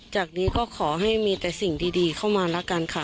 จากนี้ก็ขอให้มีแต่สิ่งดีเข้ามาแล้วกันค่ะ